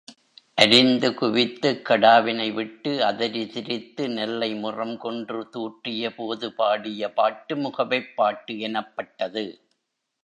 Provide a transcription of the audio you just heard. அரிந்து குவித்துக் கடாவினைவிட்டு அதரி திரித்து நெல்லை முறம் கொண்டு தூற்றியபோது பாடிய பாட்டு முகவைப் பாட்டு எனப்பட்டது.